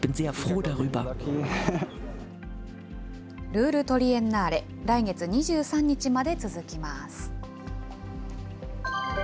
ルール・トリエンナーレ、来月２３日まで続きます。